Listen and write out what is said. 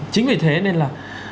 chính vì thế nên là